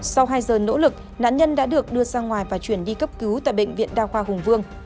sau hai giờ nỗ lực nạn nhân đã được đưa ra ngoài và chuyển đi cấp cứu tại bệnh viện đa khoa hùng vương